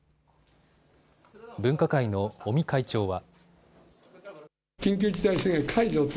分科会の尾身会長は。